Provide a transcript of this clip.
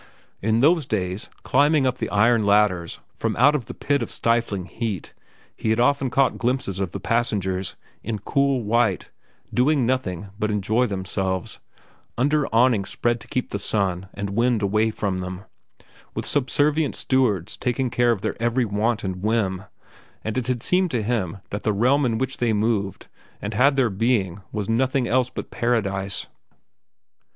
In those days, climbing up the iron ladders out the pit of stifling heat, he had often caught glimpses of the passengers, in cool white, doing nothing but enjoy themselves, under awnings spread to keep the sun and wind away from them, with subservient stewards taking care of their every want and whim, and it had seemed to him that the realm in which they moved and had their being was nothing else than paradise.